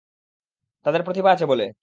তাদের প্রতিভা আছে বলে!